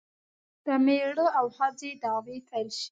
د میړه او ښځې دعوې پیل شي.